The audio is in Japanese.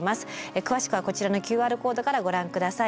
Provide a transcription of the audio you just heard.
詳しくはこちらのＱＲコードからご覧ください。